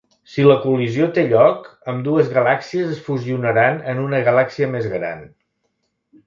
Si la col·lisió té lloc, ambdues galàxies es fusionaran en una galàxia més gran.